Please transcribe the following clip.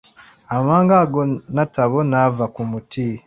Amangu ago Natabo naava ku muti.